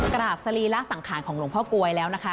กราบสรีระสังขารของหลวงพ่อกลวยแล้วนะคะ